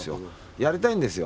やりたいんですよ